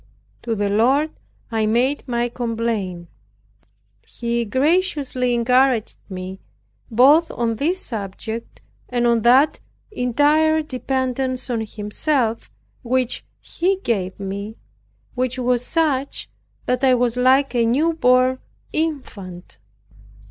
To the Lord I made my complaint; He graciously encouraged me, both on this subject and on that entire dependence on Himself which He gave me, which was such that I was like a new born infant.